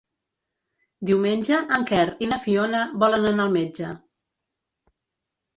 Diumenge en Quer i na Fiona volen anar al metge.